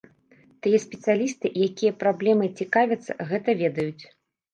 Тыя спецыялісты, якія праблемай цікавяцца, гэта ведаюць.